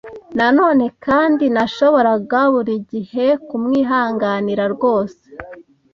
na none, kandi nashoboraga buri gihe kumwihanganira rwose.